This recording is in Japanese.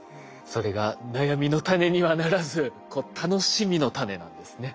それが悩みの種にはならず楽しみの種なんですね。